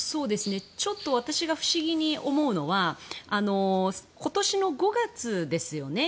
ちょっと私が不思議に思うのは今年の５月ですよね。